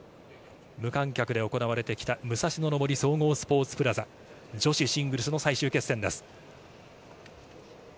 無観客で行われてきた武蔵野の森総合スポーツプラザ、女子シングルスの最終決戦です。